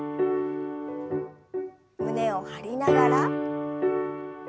胸を張りながら。